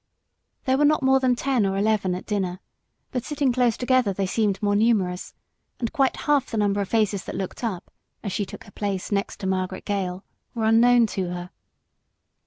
There were not more than ten or eleven at dinner, but sitting close together they seemed more numerous, and quite half the number of faces that looked up as she took her place next to Margaret Gale, were unknown to her.